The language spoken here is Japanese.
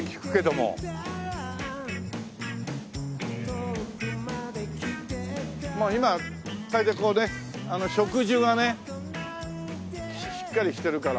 もう今は大抵こうね植樹がねしっかりしてるから。